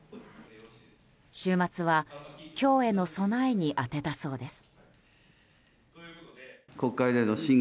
週末は今日への備えに当てたそうです。